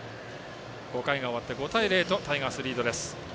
５回が終わって５対０とタイガース、リードです。